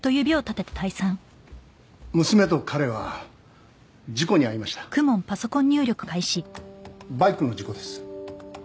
娘と彼は事故に遭いましたバイクの事故です